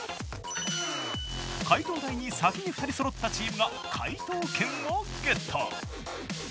解答台に先に２人そろったチームが解答権をゲット。